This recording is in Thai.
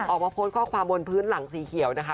ออกมาโพสต์ข้อความบนพื้นหลังสีเขียวนะคะ